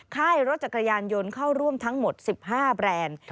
ค่ายรถจักรยานยนต์เข้าร่วมทั้งหมด๑๕แบรนด์